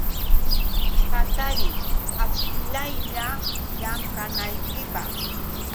Hatariy achiklaylla llamkanaykipaq.